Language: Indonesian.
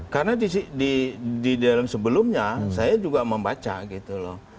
karena di dalam sebelumnya saya juga membaca gitu loh